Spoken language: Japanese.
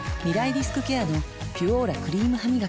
リスクケアの「ピュオーラ」クリームハミガキ